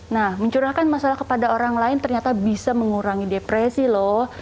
nah mencurahkan masalah kepada orang lain ternyata bisa mengurangi depresi loh